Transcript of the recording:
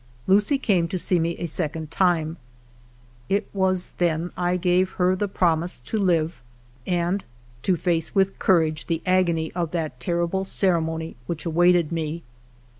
Lucie came to see me a second time ; it was then I gave her the promise to Yivq and to face with courage the agony of that terrible ceremony which awaited me.